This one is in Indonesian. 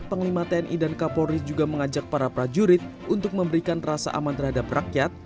panglima tni dan kapolri juga mengajak para prajurit untuk memberikan rasa aman terhadap rakyat